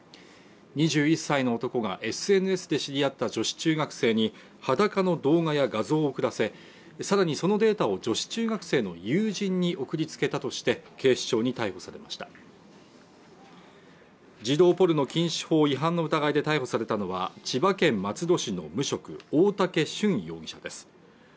２１歳の男がＳＮＳで知り合った女子中学生に裸の動画や画像を送らせさらにそのデータを女子中学生の友人に送りつけたとして警視庁に逮捕されました児童ポルノ禁止法違反の疑いで逮捕されたのは千葉県松戸市の無職大竹隼容疑者です